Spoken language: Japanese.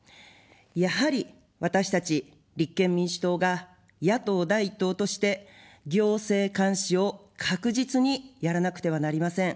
やはり私たち立憲民主党が野党第１党として行政監視を確実にやらなくてはなりません。